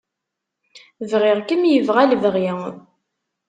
Bɣiɣ-kem yebɣa lebɣi.